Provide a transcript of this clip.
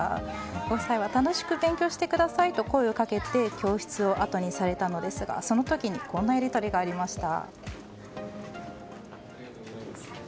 ご夫妻は楽しく勉強してくださいと声をかけて教室をあとにされたのですがその時にこんなやり取りがありました。